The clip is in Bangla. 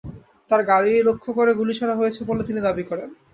তাঁর গাড়ি লক্ষ্য করে গুলি ছোড়া হয়েছে বলে তিনি দাবি করেন।